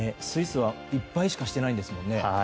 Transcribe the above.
スイスは１敗しかしてないんですもんね。